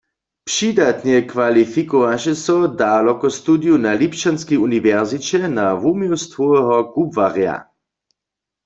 Přidatnje kwalifikowaše so w dalokostudiju na Lipšćanskej uniwersiće na wuměłstwoweho kubłarja.